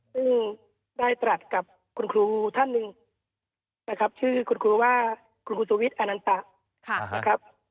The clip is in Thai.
ซึ่งได้ตรัสกับคุณครูท่านหนึ่งชื่อคุณครูว่าคุณครูสูวิทย์อานันตะ